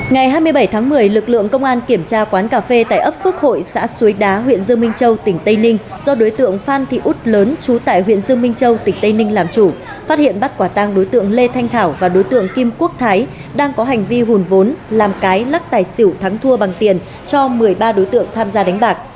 ngày hai mươi bảy tháng một mươi lực lượng công an kiểm tra quán cà phê tại ấp phước hội xã suối đá huyện dương minh châu tỉnh tây ninh do đối tượng phan thị út lớn trú tại huyện dương minh châu tỉnh tây ninh làm chủ phát hiện bắt quả tang đối tượng lê thanh thảo và đối tượng kim quốc thái đang có hành vi hùn vốn làm cái lắc tài xỉu thắng thua bằng tiền cho một mươi ba đối tượng tham gia đánh bạc